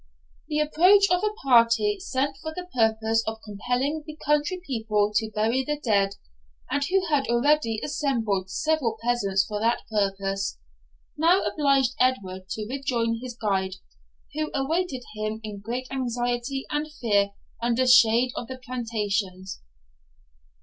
The approach of a party sent for the purpose of compelling the country people to bury the dead, and who had already assembled several peasants for that purpose, now obliged Edward to rejoin his guide, who awaited him in great anxiety and fear under shade of the plantations.